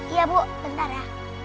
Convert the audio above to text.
iya bu bentar ya